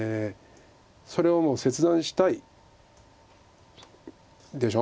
それをもう切断したいでしょ？